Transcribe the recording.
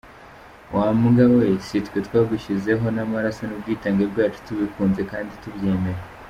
Wa mbwa we, si twe twagushyizeho n’amaraso n’ubwitange bwacu, tubikunze kdi tubyemera?